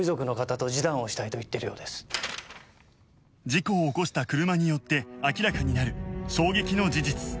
事故を起こした車によって明らかになる衝撃の事実